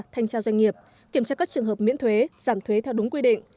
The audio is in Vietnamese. thanh tra doanh nghiệp kiểm tra các trường hợp miễn thuế giảm thuế theo đúng quy định